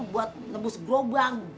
buat nebus grobang